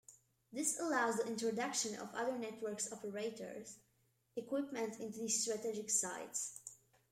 This allows the introduction of other network operators' equipment into these strategic sites.